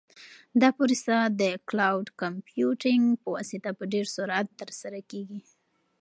دا پروسه د کلاوډ کمپیوټینګ په واسطه په ډېر سرعت ترسره کیږي.